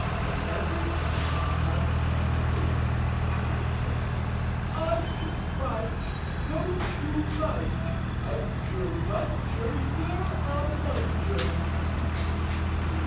.Well, every time an Un came near I said: " Udge! Budge! Go to Mudge! Udger budger, You're a Mudger!